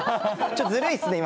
ちょっとずるいっすね